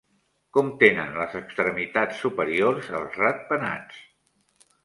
Com tenen les extremitats superiors els ratpenats?